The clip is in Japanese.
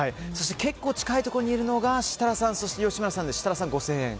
結構近いところにいるのが設楽さん、吉村さんで設楽さんが５０００円。